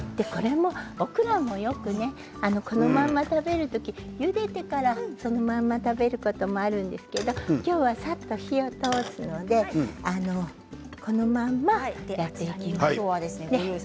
オクラもよくこのまま食べる時ゆでてからそのまま食べることもあるんですけど今日はさっと火を通すのでこのままやっていきます。